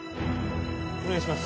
・お願いします